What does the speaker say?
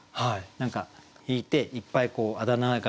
何か引いていっぱいこうあだ名が